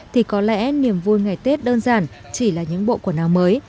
thì có lẽ niềm vui ngày tết đơn giản chỉ là những bộ quần áo mới